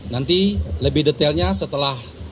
nanti lebih detailnya setelah